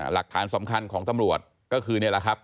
หลักฐานสำคัญของตำรวจก็คือนี่แหละครับ